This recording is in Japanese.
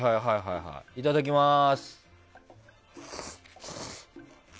いただきます。